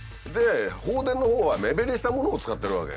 放電のほうは目減りしたものを使ってるわけ。